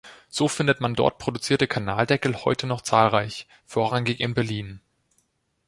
So findet man dort produzierte Kanaldeckel heute noch zahlreich, vorrangig in Berlin.